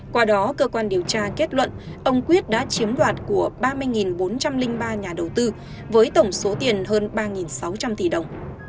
qua đó cơ quan điều tra kết luận ông quyết đã chiếm đoạt của ba mươi bốn trăm linh ba nhà đầu tư với tổng số tiền hơn ba sáu trăm linh tỷ đồng